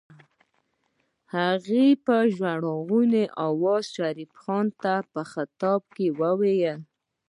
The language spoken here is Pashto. هغې په ژړغوني آواز اشرف خان ته په خطاب وويل.